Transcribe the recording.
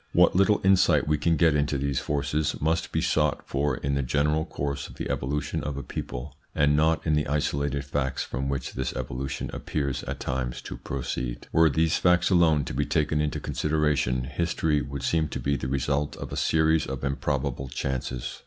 What little insight we can get into these forces must be sought for in the general course of the evolution of a people, and not in the isolated facts from which this evolution appears at times to proceed. Were these facts alone to be taken into consideration, history would seem to be the result of a series of improbable chances.